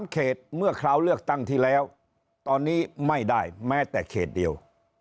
เขตเมื่อคราวเลือกตั้งที่แล้วตอนนี้ไม่ได้แม้แต่เขตเดียว